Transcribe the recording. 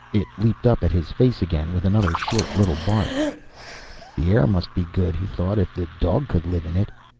It leaped up at his face again, with another short little bark. The air must be good, he thought, if the dog could live in it.